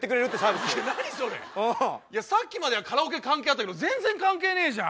さっきまではカラオケ関係あったけど全然関係ねえじゃん。